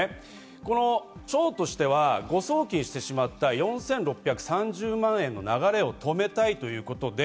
この、町としては誤送金してしまった４６３０万円の流れを止めたいということで、